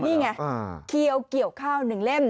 นี่ไงเคี้ยวเกี่ยวข้าว๑เล่ม